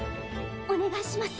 お願いします。